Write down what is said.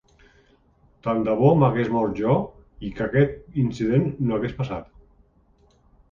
Tant de bo m’hagués mort jo i que aquest incident no hagués passat.